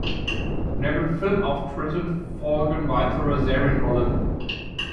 Neben Filmauftritten folgen weitere Serienrollen.